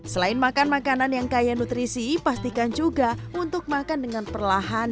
selain makan makanan yang kaya nutrisi pastikan juga untuk makan dengan perlahan